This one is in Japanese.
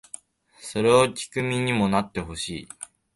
それを聴く身にもなってほしい